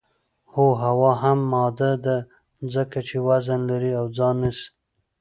هو هوا هم ماده ده ځکه چې وزن لري او ځای نیسي